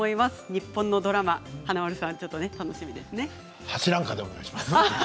日本のドラマ華丸さん、楽しみですね。